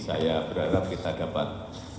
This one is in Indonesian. saya berharap kita dapat